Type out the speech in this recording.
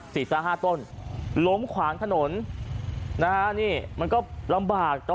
สี่ห้าต้นล้มขวางถนนนะฮะนี่มันก็ลำบากตอน